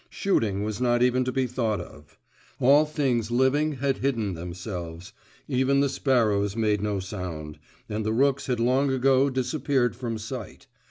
Shooting was not even to be thought of. All things living had hidden themselves; even the sparrows made no sound, and the rooks had long ago disappeared from sight.